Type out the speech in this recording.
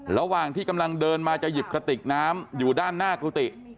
ระหว่างที่กำลังเดินมาจะหยิบกระติกน้ำอยู่ด้านหน้ากุฏิ